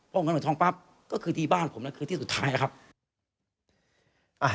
พอเงินเหมือนทองปั๊บก็คือที่บ้านผมนะคือที่สุดท้ายครับ